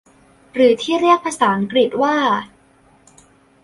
หรือที่เรียกภาษาอังกฤษว่า